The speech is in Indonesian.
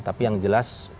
tapi yang jelas